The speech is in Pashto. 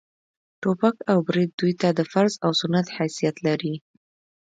ټوپک او برېت دوى ته د فرض و سنت حيثيت لري.